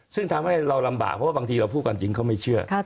ซึ่งทำให้เราลำบากเพราะว่าบางทีเราพูดความจริงเขาไม่เชื่อ